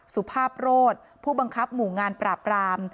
สุภาพโรธผู้บังคับหมู่งานปราบราม